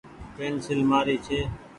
پينسيل مآري ڇي۔